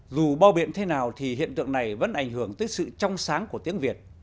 dù bao biện thế nào thì hiện tượng này vẫn ảnh hưởng tới sự trong sáng của tiếng việt